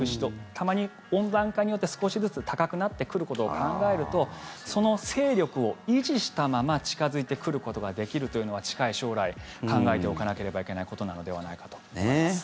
たまに温暖化によって少しずつ高くなってくることを考えるとその勢力を維持したまま近付いてくることができるというのは近い将来考えておかなければいけないことなのではないかと。